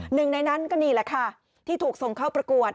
หนึ่งในนั้นก็นี่แหละค่ะที่ถูกส่งเข้าประกวด